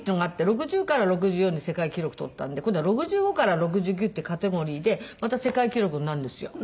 ６０から６４で世界記録取ったんで今度は６５から６９っていうカテゴリーでまた世界記録になるんですよ。